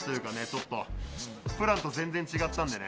ちょっとプランと全然、違ったんでね。